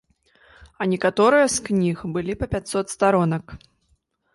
А некаторыя з кніг былі па пяцьсот старонак.